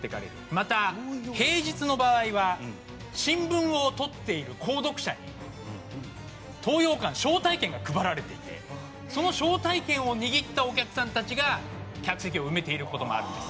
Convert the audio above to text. また平日の場合は新聞を取っている購読者に東洋館の招待券が配られていてその招待券を握ったお客さんたちが客席を埋めている事もあるんです。